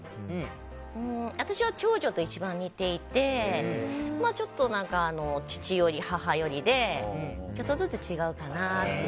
私は長女と一番似ていてちょっとちょっと父寄り、母寄りでちょっとずつ違うかなっていう。